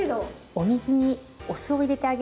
お水にお酢を入れてあげると。